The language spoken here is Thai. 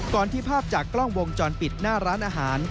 ที่ภาพจากกล้องวงจรปิดหน้าร้านอาหาร